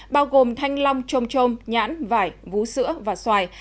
bao gồm thanh long trôm trôm nhãn vải vú sữa và xoài